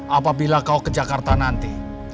apabila kau ke jakarta nanti